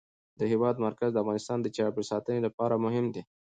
د هېواد مرکز د افغانستان د چاپیریال ساتنې لپاره مهم دي.